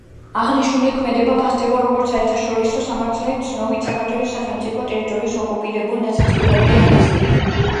აღნიშნული ქმედება ფასდება, როგორც საერთაშორისო სამართლით ცნობილი საქართველოს სახელმწიფო ტერიტორიის ოკუპირებული ნაწილის პირდაპირი ანექსია.